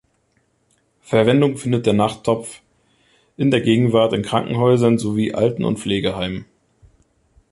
Verwendung findet der Nachttopf in der Gegenwart in Krankenhäusern sowie Alten- und Pflegeheimen.